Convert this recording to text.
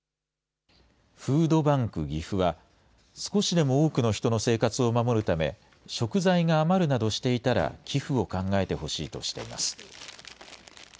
フードバンクぎふは、少しでも多くの人の生活を守るため、食材が余るなどしていたら寄付を考えてほしいとしています。